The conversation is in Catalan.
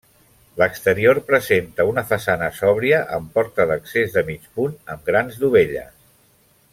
L'exterior presenta una façana sòbria amb porta d'accés de mig punt amb grans dovelles.